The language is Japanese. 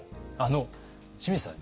清水さん